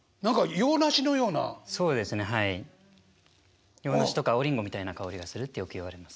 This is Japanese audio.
洋梨とか青リンゴみたいな香りがするってよくいわれます。